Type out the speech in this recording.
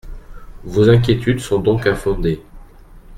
Vos inquiétudes sont donc infondées.